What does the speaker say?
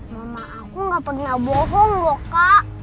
mama aku nggak pernah bohong loh kak